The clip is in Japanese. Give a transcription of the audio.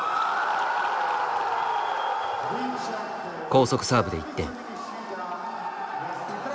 高速サーブで１点。